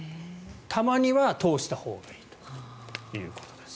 たまには通したほうがいいということです。